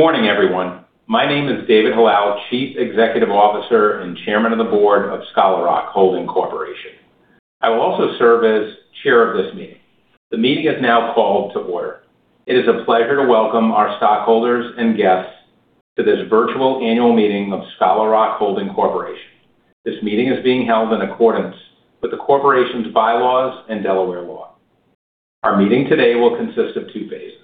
Good morning, everyone. My name is David Hallal, Chief Executive Officer and Chairman of the Board of Scholar Rock Holding Corporation. I will also serve as chair of this meeting. The meeting is now called to order. It is a pleasure to welcome our stockholders and guests to this virtual annual meeting of Scholar Rock Holding Corporation. This meeting is being held in accordance with the corporation's bylaws and Delaware law. Our meeting today will consist of two phases.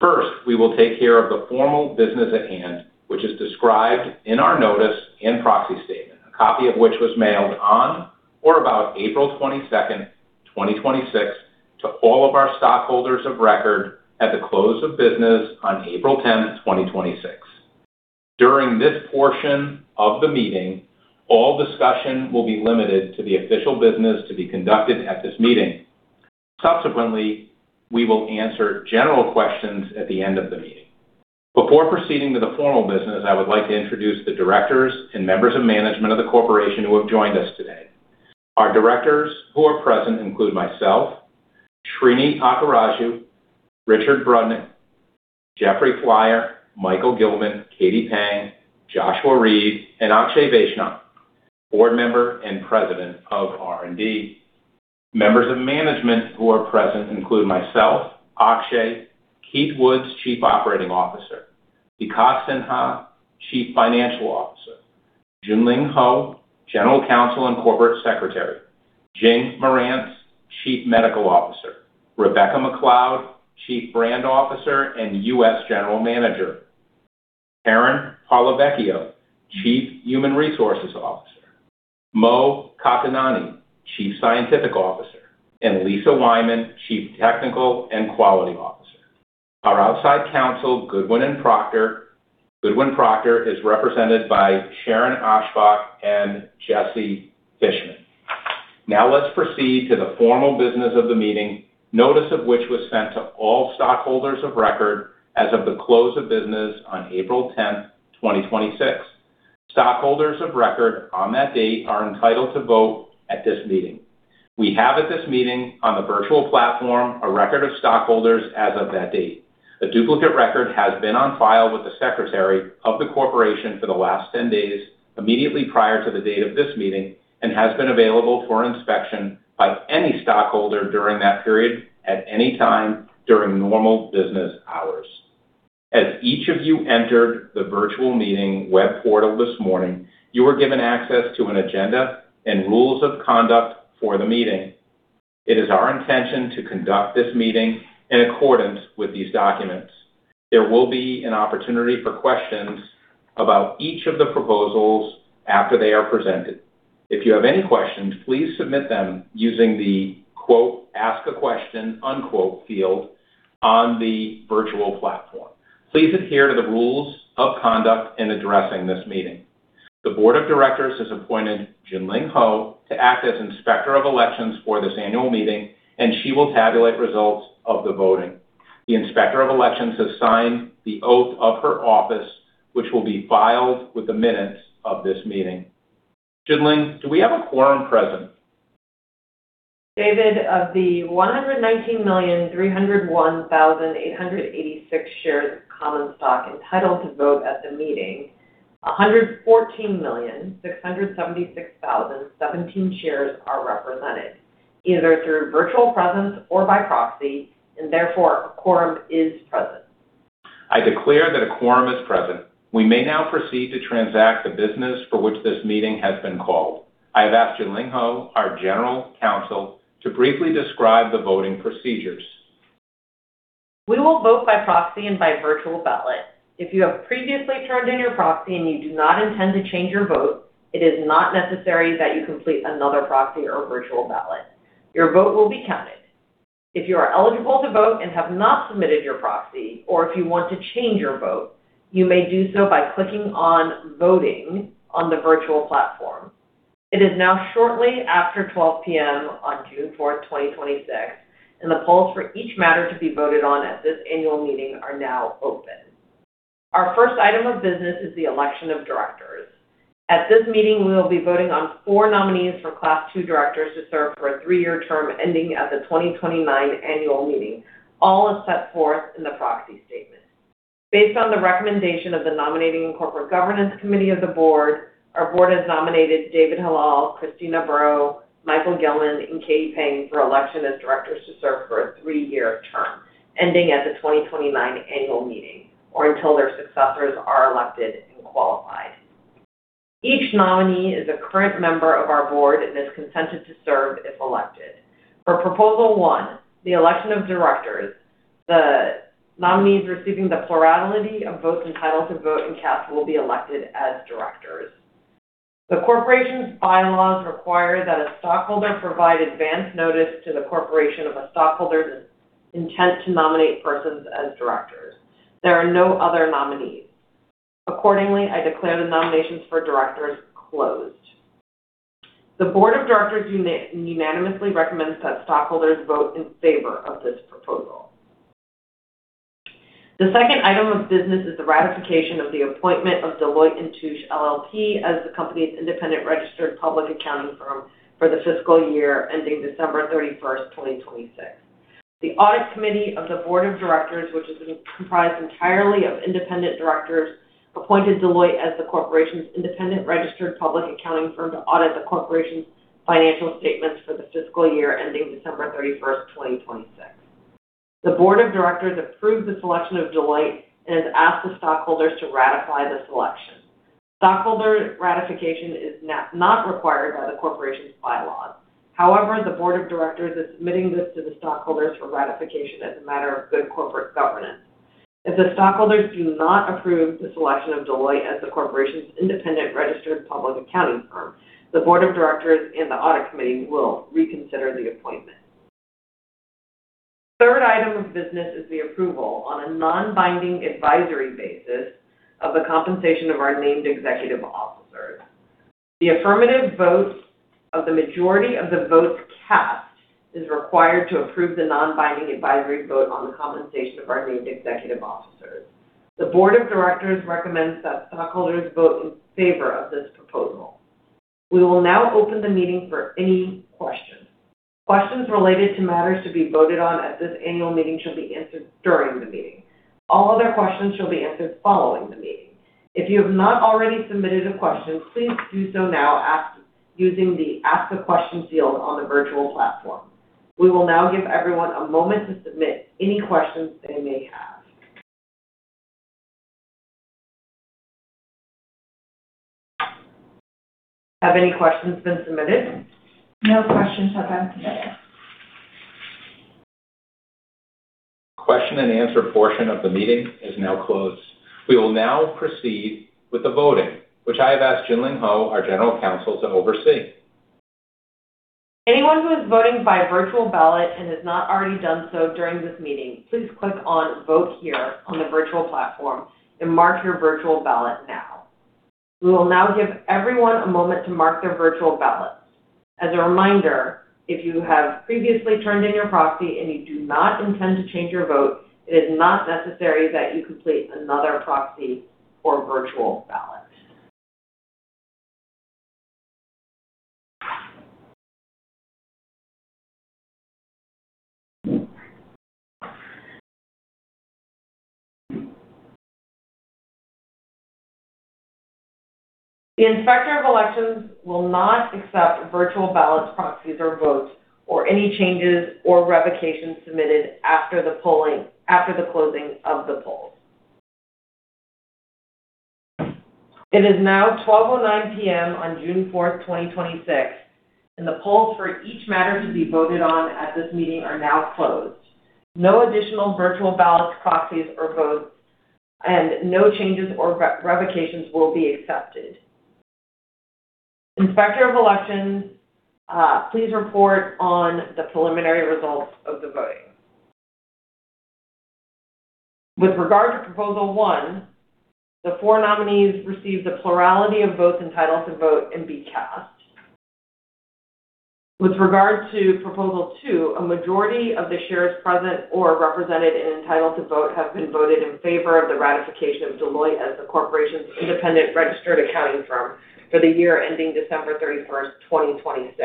First, we will take care of the formal business at hand, which is described in our notice and proxy statement, a copy of which was mailed on or about April 22nd, 2026, to all of our stockholders of record at the close of business on April 10th, 2026. During this portion of the meeting, all discussion will be limited to the official business to be conducted at this meeting. Subsequently, we will answer general questions at the end of the meeting. Before proceeding to the formal business, I would like to introduce the directors and members of management of the corporation who have joined us today. Our directors who are present include myself, Srini Akkaraju, Richard Brudnick, Jeffrey Flier, Michael Gilman, Katie Peng, Joshua Reed, and Akshay Vaishnaw, Board Member and President of R&D. Members of management who are present include myself, Akshay, Keith Woods, Chief Operating Officer, Vikas Sinha, Chief Financial Officer, Junlin Ho, General Counsel and Corporate Secretary, Jing Marantz, Chief Medical Officer, Rebecca McLeod, Chief Brand Officer and U.S. General Manager, Caryn Parlavecchio, Chief Human Resources Officer, Mo Qatanani, Chief Scientific Officer, and Lisa Wyman, Chief Technical and Quality Officer. Our outside counsel, Goodwin Procter, is represented by Sharon Achbach and Jesse Fishman. Now let's proceed to the formal business of the meeting, notice of which was sent to all stockholders of record as of the close of business on April 10th, 2026. Stockholders of record on that date are entitled to vote at this meeting. We have at this meeting, on the virtual platform, a record of stockholders as of that date. A duplicate record has been on file with the Secretary of the Corporation for the last 10 days immediately prior to the date of this meeting and has been available for inspection by any stockholder during that period at any time during normal business hours. As each of you entered the virtual meeting web portal this morning, you were given access to an agenda and rules of conduct for the meeting. It is our intention to conduct this meeting in accordance with these documents. There will be an opportunity for questions about each of the proposals after they are presented. If you have any questions, please submit them using the "ask a question" field on the virtual platform. Please adhere to the rules of conduct in addressing this meeting. The board of directors has appointed Junlin Ho to act as Inspector of Elections for this annual meeting, and she will tabulate results of the voting. The Inspector of Elections has signed the oath of her office, which will be filed with the minutes of this meeting. Junlin, do we have a quorum present? David, of the 119,301,886 shares of common stock entitled to vote at the meeting, 114,676,017 shares are represented, either through virtual presence or by proxy, and therefore, a quorum is present. I declare that a quorum is present. We may now proceed to transact the business for which this meeting has been called. I have asked Junlin Ho, our General Counsel, to briefly describe the voting procedures. We will vote by proxy and by virtual ballot. If you have previously turned in your proxy and you do not intend to change your vote, it is not necessary that you complete another proxy or virtual ballot. Your vote will be counted. If you are eligible to vote and have not submitted your proxy, or if you want to change your vote, you may do so by clicking on Voting on the virtual platform. It is now shortly after 12:00 P.M. on June 4th, 2026, and the polls for each matter to be voted on at this annual meeting are now open. Our first item of business is the election of directors. At this meeting, we will be voting on four nominees for Class II directors to serve for a three-year term ending at the 2029 annual meeting, all as set forth in the proxy statement. Based on the recommendation of the Nominating and Corporate Governance Committee of the board, our board has nominated David Hallal, Kristina Burow, Michael Gilman, and Katie Peng for election as directors to serve for a three-year term ending at the 2029 annual meeting or until their successors are elected and qualified. Each nominee is a current member of our board and has consented to serve if elected. For Proposal 1, the election of directors, the nominees receiving the plurality of votes entitled to vote and cast will be elected as directors. The corporation's bylaws require that a stockholder provide advance notice to the corporation of a stockholder's intent to nominate persons as directors. There are no other nominees. Accordingly, I declare the nominations for directors closed. The board of directors unanimously recommends that stockholders vote in favor of this proposal. The second item of business is the ratification of the appointment of Deloitte & Touche LLP as the company's independent registered public accounting firm for the fiscal year ending December 31st, 2026. The audit committee of the board of directors, which is comprised entirely of independent directors, appointed Deloitte as the corporation's independent registered public accounting firm to audit the corporation's financial statements for the fiscal year ending December 31st, 2026. The board of directors approved the selection of Deloitte and has asked the stockholders to ratify the selection. Stockholder ratification is not required by the corporation's bylaws. However, the board of directors is submitting this to the stockholders for ratification as a matter of good corporate governance. If the stockholders do not approve the selection of Deloitte as the corporation's independent registered public accounting firm, the board of directors and the audit committee will reconsider the appointment. Third item of business is the approval on a non-binding advisory basis of the compensation of our named executive officers. The affirmative vote of the majority of the votes cast is required to approve the non-binding advisory vote on the compensation of our named executive officers. The Board of Directors recommends that stockholders vote in favor of this proposal. We will now open the meeting for any questions. Questions related to matters to be voted on at this annual meeting shall be answered during the meeting. All other questions shall be answered following the meeting. If you have not already submitted a question, please do so now using the Ask a Question field on the virtual platform. We will now give everyone a moment to submit any questions they may have. Have any questions been submitted? No questions have been submitted. Question and answer portion of the meeting is now closed. We will now proceed with the voting, which I have asked Junlin Ho, our General Counsel, to oversee. Anyone who is voting by virtual ballot and has not already done so during this meeting, please click on Vote Here on the virtual platform and mark your virtual ballot now. We will now give everyone a moment to mark their virtual ballots. As a reminder, if you have previously turned in your proxy and you do not intend to change your vote, it is not necessary that you complete another proxy or virtual ballot. The Inspector of Elections will not accept virtual ballots, proxies or votes or any changes or revocations submitted after the closing of the polls. It is now 12:09 P.M. on June 4th, 2026, and the polls for each matter to be voted on at this meeting are now closed. No additional virtual ballots, proxies or votes, and no changes or revocations will be accepted. Inspector of Elections, please report on the preliminary results of the voting. With regard to proposal one, the four nominees received the plurality of votes entitled to vote and be cast. With regard to proposal two, a majority of the shares present or represented and entitled to vote have been voted in favor of the ratification of Deloitte as the corporation's independent registered accounting firm for the year ending December 31, 2026.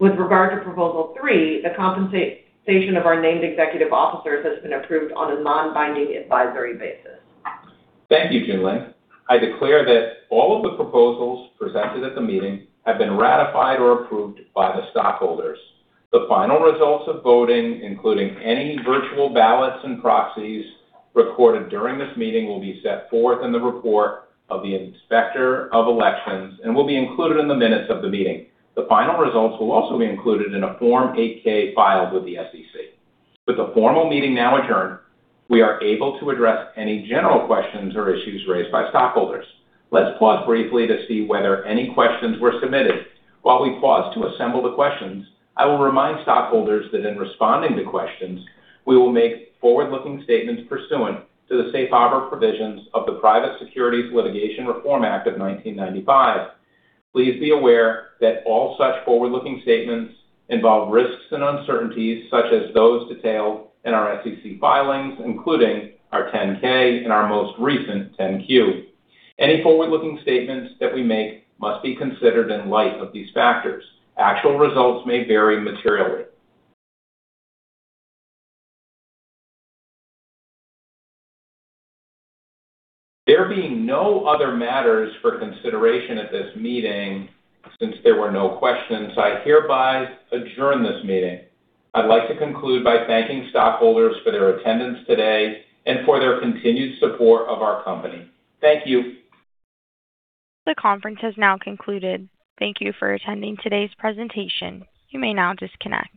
With regard to proposal three, the compensation of our named executive officers has been approved on a non-binding advisory basis. Thank you, Junlin. I declare that all of the proposals presented at the meeting have been ratified or approved by the stockholders. The final results of voting, including any virtual ballots and proxies recorded during this meeting, will be set forth in the report of the Inspector of Elections and will be included in the minutes of the meeting. The final results will also be included in a Form 8-K filed with the SEC. With the formal meeting now adjourned, we are able to address any general questions or issues raised by stockholders. Let's pause briefly to see whether any questions were submitted. While we pause to assemble the questions, I will remind stockholders that in responding to questions, we will make forward-looking statements pursuant to the safe harbor provisions of the Private Securities Litigation Reform Act of 1995. Please be aware that all such forward-looking statements involve risks and uncertainties, such as those detailed in our SEC filings, including our 10-K and our most recent 10-Q. Any forward-looking statements that we make must be considered in light of these factors. Actual results may vary materially. There being no other matters for consideration at this meeting, since there were no questions, I hereby adjourn this meeting. I'd like to conclude by thanking stockholders for their attendance today and for their continued support of our company. Thank you. The conference has now concluded. Thank you for attending today's presentation. You may now disconnect.